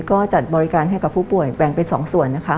ก็จัดบริการให้กับผู้ป่วยแบ่งเป็น๒ส่วนนะคะ